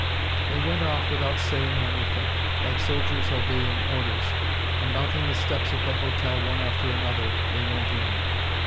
They went off without saying anything, like soldiers obeying orders, and mounting the steps of the hotel one after another, they went in.